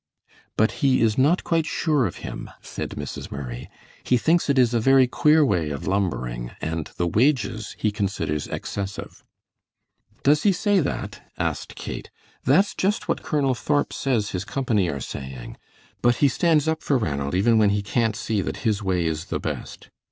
"But he is not quite sure of him," said Mrs. Murray. "He thinks it is a very queer way of lumbering, and the wages he considers excessive." "Does he say that?" asked Kate. "That's just what Colonel Thorp says his company are saying. But he stands up for Ranald even when he can't see that his way is the best.